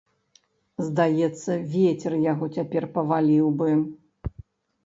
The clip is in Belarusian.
Здаецца, вецер яго цяпер паваліў бы.